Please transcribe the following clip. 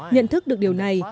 nhận thức được điều này